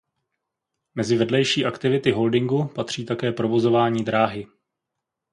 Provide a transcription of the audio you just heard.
Mezi vedlejší aktivity holdingu patří také provozování dráhy.